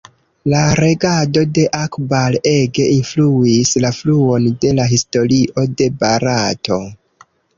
La regado de Akbar ege influis la fluon de la historio de Barato.